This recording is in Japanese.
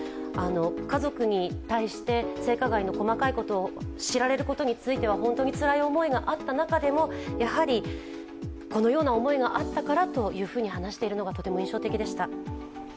家族に対して、性加害の細かいことを知られることについては本当につらい思いがあった中でも、やはりこのような思いがあったからというふうに話しているのが、とても印象的でした。